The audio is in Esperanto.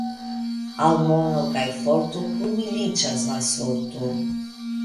Al mono kaj forto humiliĝas la sorto.